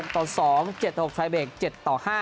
๖ต่อ๒๗ต่อ๖ไฟเบรก๗ต่อ๕